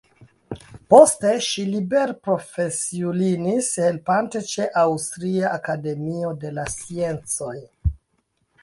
Poste ŝi liberprofesiulinis helpante ĉe "Aŭstria akademio de la sciencoj".